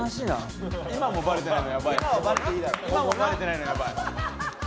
今もバレてないのヤバい。